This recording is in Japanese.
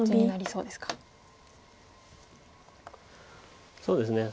そうですね。